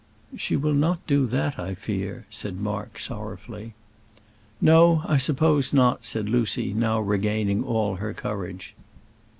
"She will not do that, I fear," said Mark, sorrowfully. "No; I suppose not," said Lucy, now regaining all her courage.